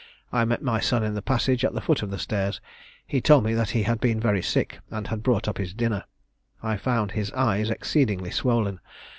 I met my son in the passage at the foot of the stairs: he told me that he had been very sick, and had brought up his dinner. I found his eyes exceedingly swollen.